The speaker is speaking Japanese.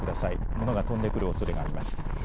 物が飛んでくるおそれがあります。